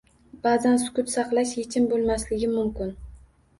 Ba’zan sukut saqlash yechim bo’lmasligi mumkin